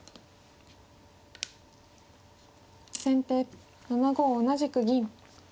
先手７五同じく銀。